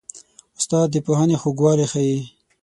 استاد د پوهنې خوږوالی ښيي.